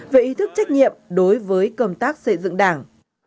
về ý thức trách nhiệm đối với công tác xây dựng đảng